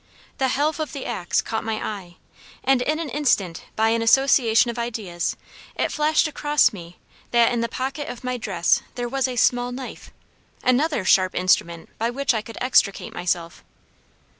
The helve of the axe caught my eye, and in an instant by an association of ideas it flashed across me that in the pocket of my dress there was a small knife another sharp instrument by which I could extricate myself.